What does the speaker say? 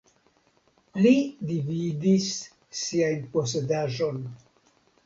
Li dividis sian posedaĵon.